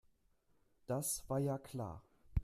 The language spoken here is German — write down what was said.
Das war ja klar.